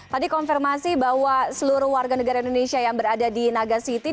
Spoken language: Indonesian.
tadi konfirmasi bahwa seluruh warga negara indonesia yang berada di naga city